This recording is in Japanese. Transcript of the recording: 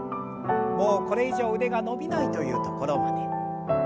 もうこれ以上腕が伸びないというところまで。